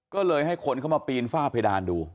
ก็เลยให้คนเข้ามาปีนฝ้าเพดานดู